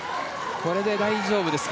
これで大丈夫ですか。